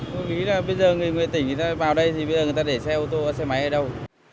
tôi nghĩ là bây giờ người tỉnh người ta vào đây thì bây giờ người ta để xe ô tô xe máy ở đâu